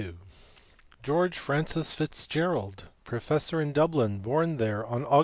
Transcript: George Francis Fitzgerald, professor in Dublin, born there on Aug.